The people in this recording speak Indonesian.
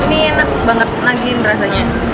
ini enak banget nagin rasanya